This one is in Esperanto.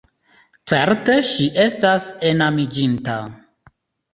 Certe ŝi estas enamiĝinta.